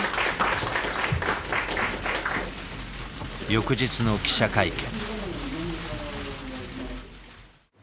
翌日の記者会見。